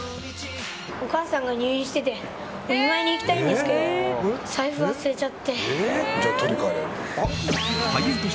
お母さんが入院しててお見舞いに行きたいんですけどじゃあ、取りに帰れば？